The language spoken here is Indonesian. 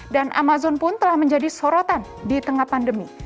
dan amazon pun telah menjadi sorotan di tengah pandemi